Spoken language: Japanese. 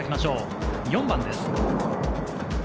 ４番です。